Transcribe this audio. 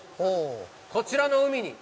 こちらの海に。